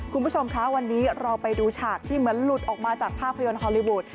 คุณผู้ชมคะวันนี้เราไปดูฉากที่เหมือนหลุดออกมาจากภาพยนตร์ฮอลลี่วูด